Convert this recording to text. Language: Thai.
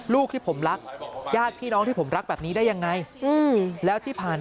ลูกที่ผมรักญาติพี่น้องที่ผมรักแบบนี้ได้ยังไงแล้วที่ผ่าน